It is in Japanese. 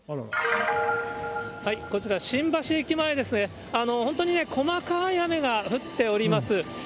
こちら新橋駅前ですね、本当に細かい雨が降っております。